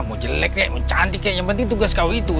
mau jelek mau cantik yang penting tugas kau itu